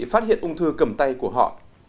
phát hiện ung thư cầm tay của họ